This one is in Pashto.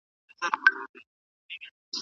که بازار کنټرول شي نو قیمتي نه راځي.